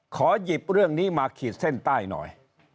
ขอหยิบเรื่องนี้มาขีดเส้นใต้หน่อย